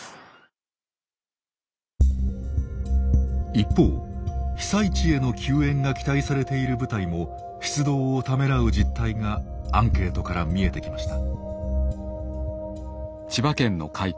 一方被災地への救援が期待されている部隊も出動をためらう実態がアンケートから見えてきました。